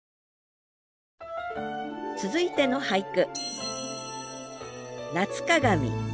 続いての俳句